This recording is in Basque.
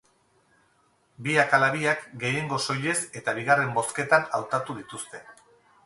Biak ala biak gehiengo soilez eta bigarren bozketan hautatu dituzte.